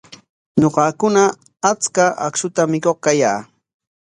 Ñuqakuna achka akshutam mikuq kayaa.